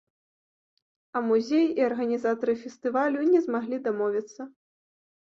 А музей і арганізатары фестывалю не змаглі дамовіцца.